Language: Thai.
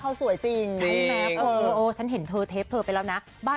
บ้านเขาเป็นสี่สิบเศษล้านบาท